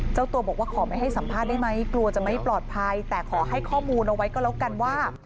เจ้าตัวบอกว่าขอไม่ให้สัมภาษณ์ได้ไหมกลัวจะไม่ปลอดภัยแต่ขอให้ข้อมูลเอาไว้ก็แล้วกันว่า